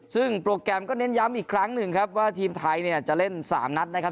ซึ่งโปรแกรมก็เน้นย้ำอีกครั้งหนึ่งครับว่าทีมไทยเนี่ยจะเล่น๓นัดนะครับ